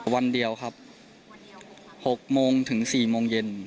วันเดียวครับ๖โมงถึง๔โมงเย็น